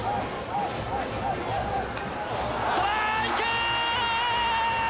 ストライク！